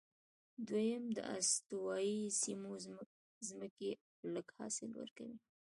دویم، د استوایي سیمو ځمکې لږ حاصل ورکوي.